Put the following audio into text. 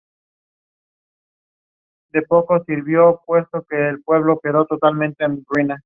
Se puede encontrar como mineral en la naturaleza o se puede producir artificialmente.